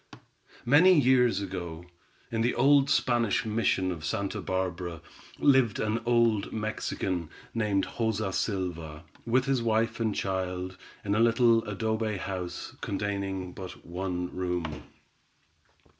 Many years ago, in the old Spanish mission of Santa Barbara, lived an old Mexican, named Joza Silva, with his wife and child, in a little adobe house, containing but one room.